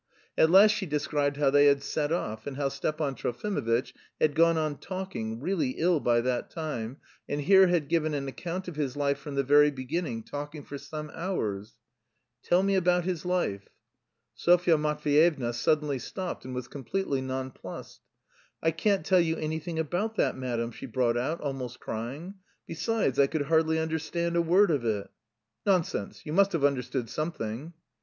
At last she described how they had set off, and how Stepan Trofimovitch had gone on talking, "really ill by that time," and here had given an account of his life from the very beginning, talking for some hours. "Tell me about his life." Sofya Matveyevna suddenly stopped and was completely nonplussed. "I can't tell you anything about that, madam," she brought out, almost crying; "besides, I could hardly understand a word of it." "Nonsense! You must have understood something."